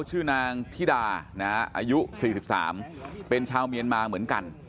ชื่อนางธิดาอายุ๔๓เป็นชาวเมียนมาเหมือนกัน